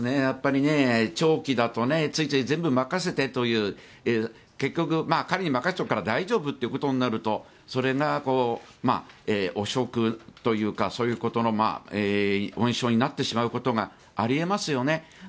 やっぱり長期だとついつい全部任せてという結局、彼に任せておけば大丈夫ということになるとそれが汚職というかそういうことの温床になってしまうことがあり得ますよね。